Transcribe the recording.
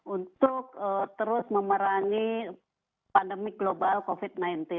untuk terus memerangi pandemi global covid sembilan belas